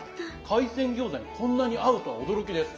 海鮮餃子にこんなに合うとは驚きです。